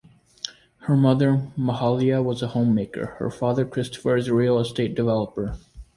Her mother Mahalia was a homemaker; her father Christopher is a real estate developer.